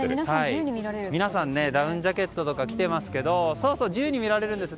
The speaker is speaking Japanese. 皆さんダウンジャケットとか着てますけど自由に見られるんです。